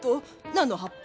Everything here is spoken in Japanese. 何の葉っぱ？